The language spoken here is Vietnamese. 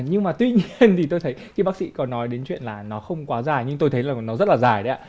nhưng mà tuy nhiên thì tôi thấy khi bác sĩ có nói đến chuyện là nó không quá dài nhưng tôi thấy là nó rất là dài đấy ạ